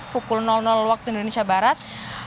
pukul waktu indonesia barat